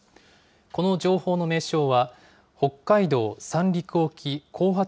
この情報の名称は、北海道・三陸沖後発